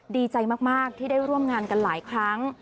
ดีใจมากที่ได้ร่วมงานกันหลายครั้ง